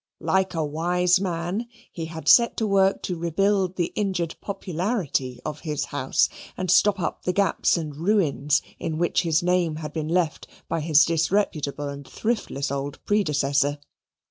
Like a wise man he had set to work to rebuild the injured popularity of his house and stop up the gaps and ruins in which his name had been left by his disreputable and thriftless old predecessor.